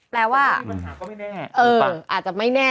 แปลว่าอาจจะไม่แน่